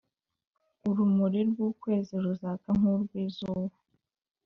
urumuri rw’ukwezi ruzaka nk’urw’izuba,